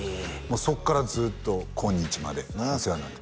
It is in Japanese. そこからずっと今日までお世話になってます